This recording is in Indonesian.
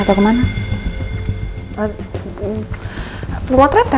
hum yaudah mbak pikir ya memang tau